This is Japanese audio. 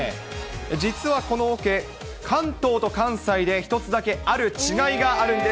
実はこのおけ、関東と関西で１つだけある違いがあるんです。